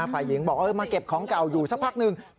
ฝ่ายหญิงบอกมาเก็บของเก่าอยู่สักพักหนึ่ง